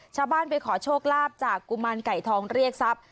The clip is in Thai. ชาวบ้านไปขอโชคลาภจากกุมารไก่ทองเรียกทรัพย์